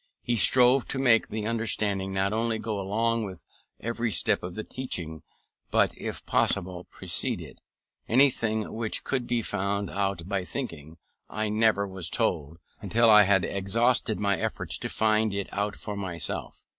He strove to make the understanding not only go along with every step of the teaching, but, if possible, precede it. Anything which could be found out by thinking I never was told, until I had exhausted my efforts to find it out for myself.